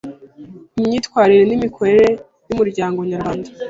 imyitwarire, n’Imikorere y’Umuryango nyarwanda .